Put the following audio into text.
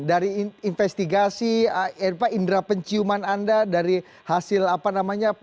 dari investigasi indera penciuman anda dari hasil apa namanya